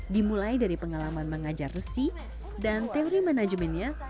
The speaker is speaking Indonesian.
dimulai dari pengalaman mengajar resi dan teori manajemennya